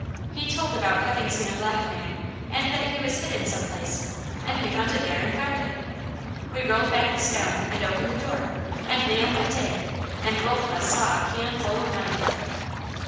He told about having seen a black man, and that he was hidden some place, and we hunted there and found it. We rolled back the stone, and opened the door, and Leon went in, and both of us saw a can full of money."